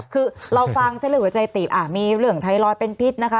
คือเราฟังเส้นเลือดหัวใจตีบมีเรื่องไทรอยด์เป็นพิษนะคะ